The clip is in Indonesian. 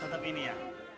tidak tetap ini ya